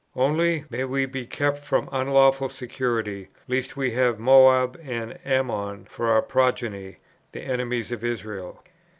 Only, may we be kept from unlawful security, lest we have Moab and Ammon for our progeny, the enemies of Israel."